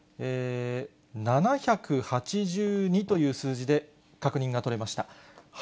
７８２という数字で確認が取れました。